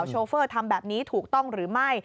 โชเฟอร์ทำแบบนี้ถูกต้องหรือไม่